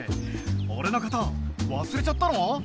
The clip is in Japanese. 俺のこと忘れちゃったの？